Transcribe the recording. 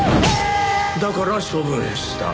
だから処分した。